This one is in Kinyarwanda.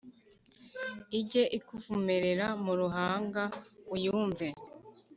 Ijye ikuvumerera mu ruhanga uyumve